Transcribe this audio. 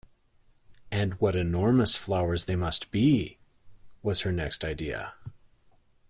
‘And what enormous flowers they must be!’ was her next idea.